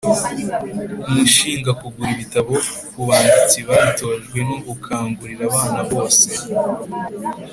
umushingakugura ibitabo ku banditsi babitojwe, no gukangurira abana bose